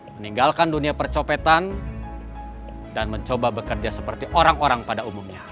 meninggalkan dunia percopetan dan mencoba bekerja seperti orang orang pada umumnya